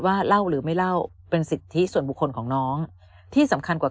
เล่าหรือไม่เล่าเป็นสิทธิส่วนบุคคลของน้องที่สำคัญกว่า